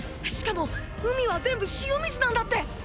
しかも「海」は全部塩水なんだって！